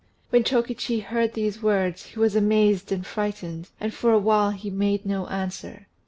When Chokichi heard these words, he was amazed and frightened, and for a while he made no answer.